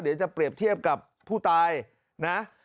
เดี๋ยวจะเปรียบเทียบกับผู้ตายนะ